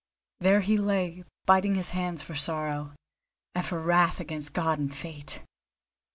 There he lay, biting his hands for sorrow, and for wrath against God and Fate.